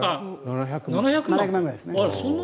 ７００万ぐらいですね。